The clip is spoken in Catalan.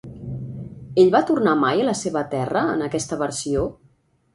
Ell va tornar mai a la seva terra, en aquesta versió?